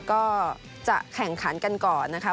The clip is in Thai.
ก็จะแข่งขันกันก่อนนะคะ